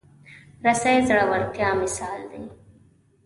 رسۍ د زړورتیا مثال دی.